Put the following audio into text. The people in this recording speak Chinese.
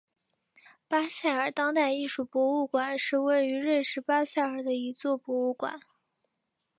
巴塞尔当代艺术博物馆是位于瑞士巴塞尔的一座博物馆。